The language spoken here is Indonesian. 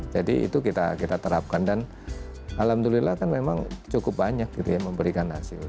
jadi itu kita kita terapkan dan alhamdulillah kan memang cukup banyak gitu ya memberikan hasil